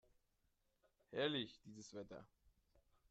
Herrlich, dieses Wetter!